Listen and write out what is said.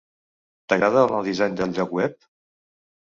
T'agrada el nou disseny del lloc web?